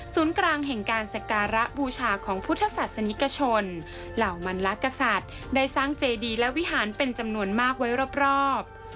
กลางแห่งการสการะบูชาของพุทธศาสนิกชนเหล่ามันละกษัตริย์ได้สร้างเจดีและวิหารเป็นจำนวนมากไว้รอบ